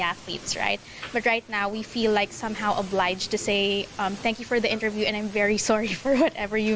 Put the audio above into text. มันผลกระทบเลยแล้วคงต้องขอขอบภัย